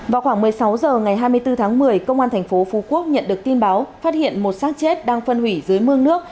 vào khoảng một mươi sáu h ngày hai mươi bốn tháng một mươi công an thành phố phú quốc nhận được tin báo phát hiện một sát chết đang phân hủy dưới mương nước